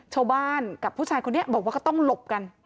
ชาวบ้านกับผู้ชายคนนี้บอกว่าก็ต้องหลบกัน